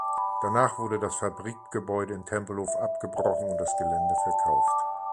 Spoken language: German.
Danach wurde das Fabrikgebäude in Tempelhof abgebrochen und das Gelände verkauft.